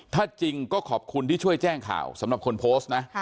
ถ้าจริงก็ขอบคุณที่ช่วยแจ้งข่าวสำหรับคนโพสต์นะ